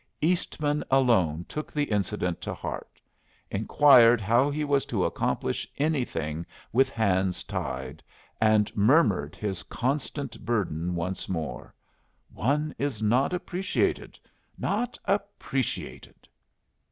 Eastman alone took the incident to heart; inquired how he was to accomplish anything with hands tied, and murmured his constant burden once more: "One is not appreciated, not appreciated."